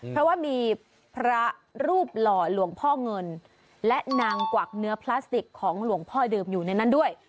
เพราะว่ามีพระรูปหล่อหลวงพ่อเงินและนางกวักเนื้อพลาสติกของหลวงพ่อดื่มอยู่ในนั้นด้วย